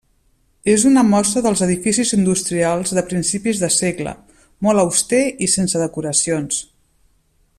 És una mostra dels edificis industrials de principis de segle, molt auster i sense decoracions.